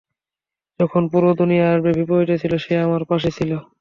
যখন পুরো দুনিয়া আমার বিপরীতে ছিল, সে আমার পাশে ছিল।